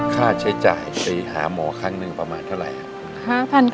ค่าใช้จ่ายไปหาหมอครั้งนึงประมาณเท่าไร